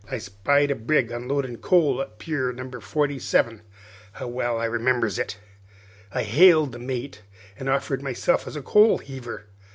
I spied a brig unloadin' coal at pier No. 47 how well I remembers it! I hailed the mate, an' offered myself for a coal heaver.